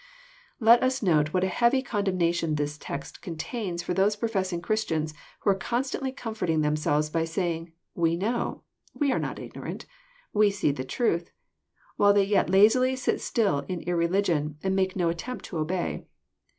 Let us note what a heavy condemnation this text contains for those professing Christians who are constantly comforting themselves by saying, We know," "We are not ignorant," We see the truths" while yet they lazily sit still in irrellgion and make no attempt to obey.